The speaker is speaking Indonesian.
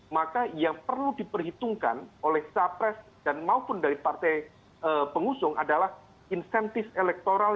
maka yang perlu diperhitungkan oleh capres dan maupun dari partai pengusung adalah insentif elektoral